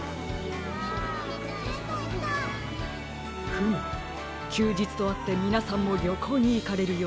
フムきゅうじつとあってみなさんもりょこうにいかれるようですね。